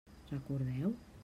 Recordeu?